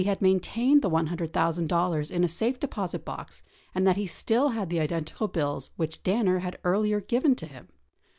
had maintained the $100,000 in a safe deposit box and that he still had the identical bills which Danner had earlier given to him.